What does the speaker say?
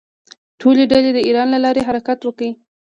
ټولې ډلې د ایران له لارې حرکت وکړ.